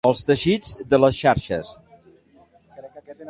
Els teixits de les xarxes.